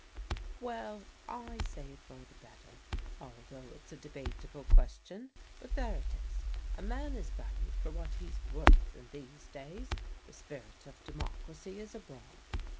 " Well, I say for the better, although it's a debatable question. But there it is. A man is valued for what he's worth in these days. The spirit of democracy is abroad.